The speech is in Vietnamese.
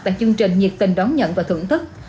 tại chương trình nhiệt tình đón nhận và thưởng thức